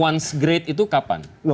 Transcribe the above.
jaman se great itu kapan